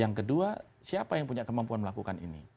yang kedua siapa yang punya kemampuan melakukan ini